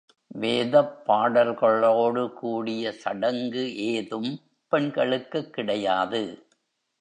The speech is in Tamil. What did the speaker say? வேதப் பாடல்களோடு கூடிய சடங்கு ஏதும் பெண்களுக்குக் கிடையாது.